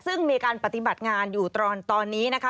ซึ่งมีการปฏิบัติงานอยู่ตอนนี้นะคะ